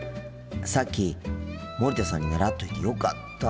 さっき森田さんに習っといてよかった。